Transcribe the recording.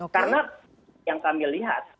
karena yang kami lihat